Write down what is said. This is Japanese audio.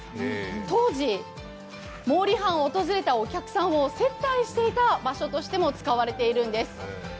当時、毛利藩を訪れたお客様を接待していた場所として使われています。